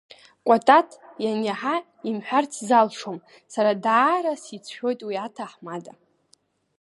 Кәатат ианиаҳа имҳәарц залшом, сара даара сицәшәоит уи аҭаҳмада.